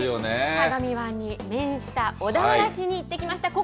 相模湾に面した小田原市に行ってきました。